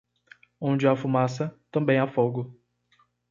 Onde há fumaça, também há fogo.